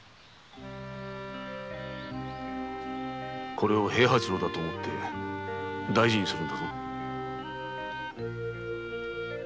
これを平八郎だと思って大事にするんだぞ。